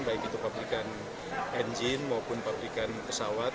baik itu pabrikan engine maupun pabrikan pesawat